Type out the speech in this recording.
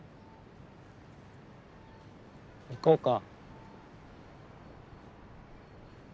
行こうか。